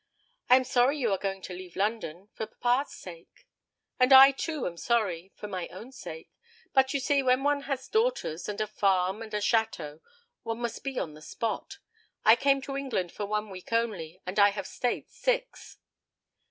"I am sorry you are going to leave London for papa's sake." "And I, too, am sorry for my own sake. But, you see, when one has daughters, and a farm, and a chateau, one must be on the spot. I came to England for one week only, and I have stayed six."